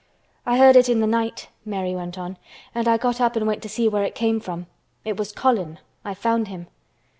"I heard it in the night," Mary went on. "And I got up and went to see where it came from. It was Colin. I found him."